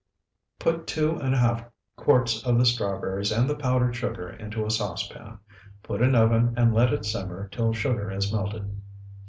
Put two and a half quarts of the strawberries and the powdered sugar into a saucepan. Put in oven and let it simmer till sugar is melted.